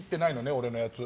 俺のやつ。